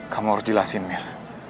kamu harus jelasin mir